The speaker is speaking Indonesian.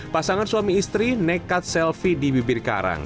pasangan suami istri nekat selfie di bibir karang